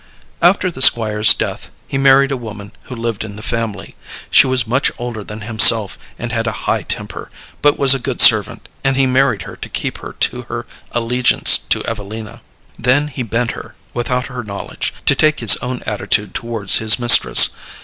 After the Squire's death he married a woman who lived in the family. She was much older than himself, and had a high temper, but was a good servant, and he married her to keep her to her allegiance to Evelina. Then he bent her, without her knowledge, to take his own attitude towards his mistress.